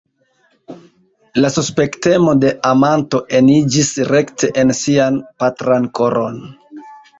La suspektemo de amanto eniĝis rekte en sian patran koron.